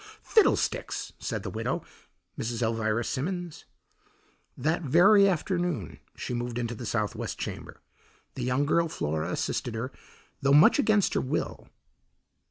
"Fiddlesticks!" said the widow, Mrs. Elvira Simmons. That very afternoon she moved into the southwest chamber. The young girl Flora assisted her, though much against her will.